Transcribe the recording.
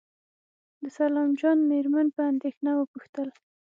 د سلام جان مېرمن په اندېښنه وپوښتل.